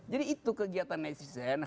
jadi itu kegiatan netizen